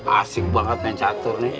asik banget main catur nih